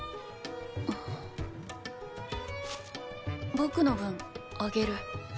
僕の分あげる。